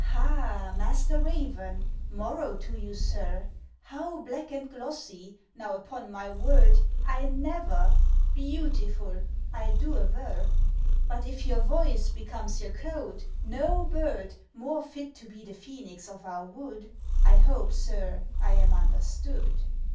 "Ha! Master Raven, 'morrow to you, sir; How black and glossy! now, upon my word, I never beautiful! I do aver. If but your voice becomes your coat, no bird More fit to be the Phœnix of our wood I hope, sir, I am understood?"